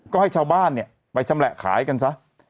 ก็ให้ชาวบ้านไปชำแหละขายกันซะ